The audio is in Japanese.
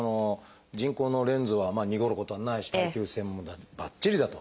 人工のレンズはにごることはないし耐久性もばっちりだと。